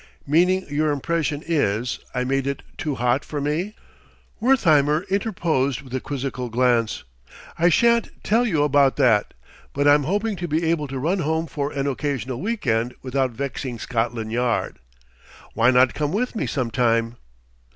"Meaning your impression is, I made it too hot for me?" Wertheimer interposed with a quizzical glance. "I shan't tell you about that. But I'm hoping to be able to run home for an occasional week end without vexing Scotland Yard. Why not come with me some time?"